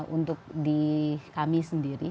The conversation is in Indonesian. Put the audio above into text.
untuk di kami sendiri